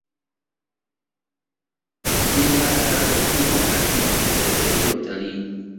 Kwa kujenga daraja kubwa na lenye kuvutia zaidi watalii